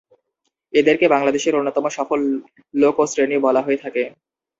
এদেরকে বাংলাদেশের অন্যতম সফল লোকো শ্রেণী বলা হয়ে থাকে।